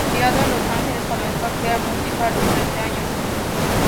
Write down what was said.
Criado en Los Ángeles, comenzó a crear música a los trece años.